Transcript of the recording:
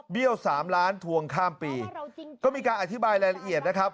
สามล้านทวงข้ามปีก็มีการอธิบายรายละเอียดนะครับ